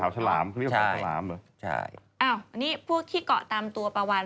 หาวฉลามใช่ใช่อ้าวอันนี้พวกที่เกาะตามตัวปลาวาน